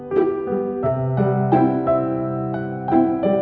jangan sedih lagi